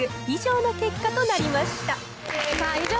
以上のような結果となりました。